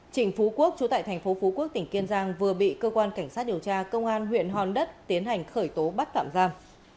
trịnh phú quốc chú tại thành phố phú quốc tỉnh kiên giang vừa bị cơ quan cảnh sát điều tra công an huyện hòn đất tiến hành khởi tố bắt tạm giam